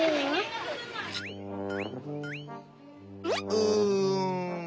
うん。